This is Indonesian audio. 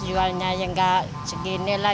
jualnya ya nggak seginilah